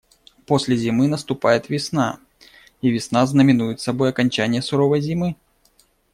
После зимы наступает весна, и весна знаменует собой окончание суровой зимы.